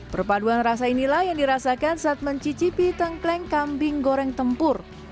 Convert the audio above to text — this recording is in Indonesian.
perpaduan rasa inilah yang dirasakan saat mencicipi tengkleng kambing goreng tempur